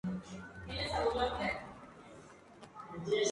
Es visitable por el público en general sin cargo alguno.